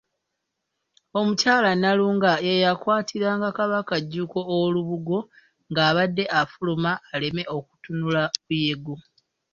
Omukyala Nnalunga ye yakwatiriranga Kabaka Jjuuko olubugo ng'abadde afuluma aleme kutunula Buyego.